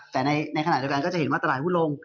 แต่ในขณะเดียวกันก็จะเห็นว่าตลาดหุ้นลง